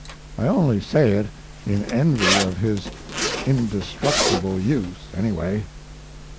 I only say it in envy of his indestructible youth anyway.